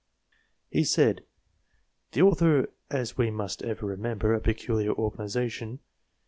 He said :" The author is, as we must ever remember, a peculiar organization.